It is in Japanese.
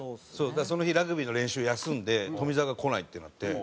だからその日ラグビーの練習休んで富澤が来ないってなって。